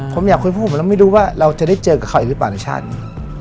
ผมอยากคุยพวกผมแล้วไม่รู้ว่าเราจะได้เจอกับเขาอีกหรือเปล่าในชาตินี้